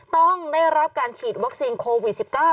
ต้องได้รับการฉีดวัคซีนโควิด๑๙